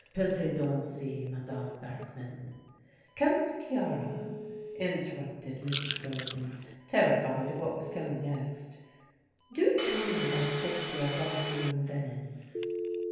Pensez donc si Madame Bergmann " "Count Sciarra," interrupted Mrs. Bergmann, terrified of what was coming next, "do tell me about the book you are writing on Venice."